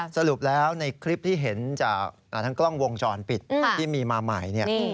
สรุปแล้วในคลิปที่เห็นจากทั้งกล้องวงจรปิดที่มีมาใหม่เนี่ย